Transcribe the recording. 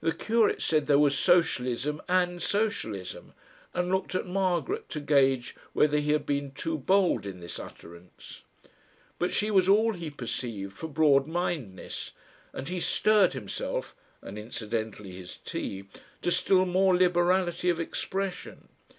The curate said there was socialism AND socialism, and looked at Margaret to gauge whether he had been too bold in this utterance. But she was all, he perceived, for broad mindness, and he stirred himself (and incidentally his tea) to still more liberality of expression.